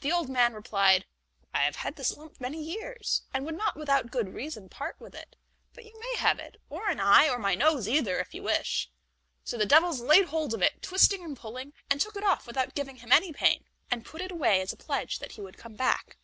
The old man replied: "I have had this lump many years, and would not without good reason part with it; but you may have it, or an eye, or my nose either if you wish." So the devils laid hold of it, twisting and pulling, and took it off without giving him any pain, and put it away as a pledge that he would come back.